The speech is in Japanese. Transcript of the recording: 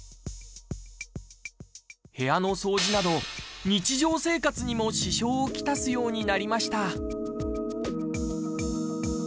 部屋の掃除など日常生活にも支障を来すようになりました。